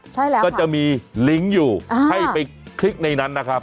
ใช่แล้วก็จะมีลิงก์อยู่ให้ไปคลิกในนั้นนะครับ